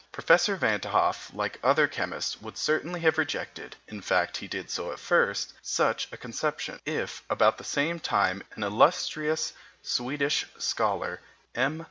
Professor Van t' Hoff, like other chemists, would certainly have rejected in fact, he did so at first such a conception, if, about the same time, an illustrious Swedish scholar, M.